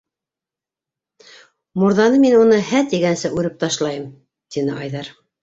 - Мурҙаны мин уны һә тигәнсе үреп ташлайым, - тине Айҙар.